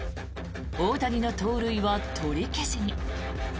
大谷の盗塁は取り消しに。